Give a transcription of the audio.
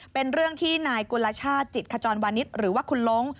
เป็นเรื่องที่นายกุลชาติจิตขจรวานิสหรือว่าคุณล้ง